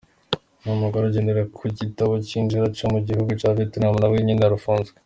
Umugore agendera ku gitabo c'inzira co mu gihugu ca Vietnam nawe nyene arapfunzwe.